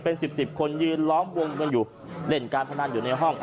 เป็น๑๐คนยืนร้องวงเงินอยู่เล่นการพนันอยู่ในห้อง